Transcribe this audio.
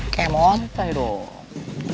kayak montai dong